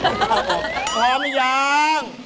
พร้อมหรือยัง